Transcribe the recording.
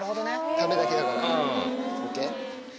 ためだけだから、ＯＫ？